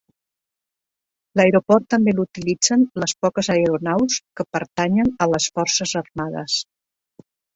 L'aeroport també l'utilitzen les poques aeronaus que pertanyen a les forces armades.